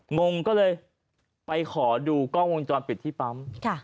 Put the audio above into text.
งงก็เลยไปขอดูกล้องวงจรปิดที่ปั๊ม